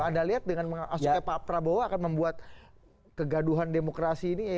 anda lihat dengan masuknya pak prabowo akan membuat kegaduhan demokrasi ini